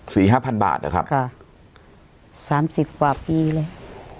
ห้าพันบาทนะครับค่ะสามสิบกว่าปีเลย